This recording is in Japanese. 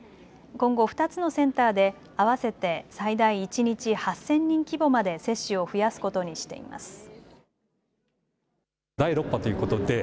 今後、２つのセンターで合わせて最大一日８０００人規模まで接種を増やすことにしています。